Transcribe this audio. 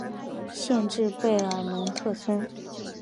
县治贝尔蒙特村。